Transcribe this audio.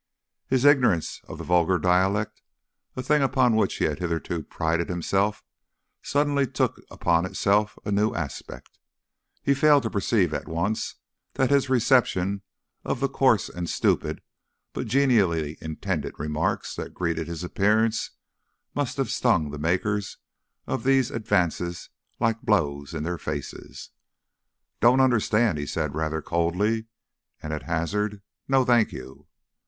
His ignorance of the vulgar dialect, a thing upon which he had hitherto prided himself, suddenly took upon itself a new aspect. He failed to perceive at once that his reception of the coarse and stupid but genially intended remarks that greeted his appearance must have stung the makers of these advances like blows in their faces. "Don't understand," he said rather coldly, and at hazard, "No, thank you."